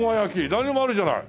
なんでもあるじゃない。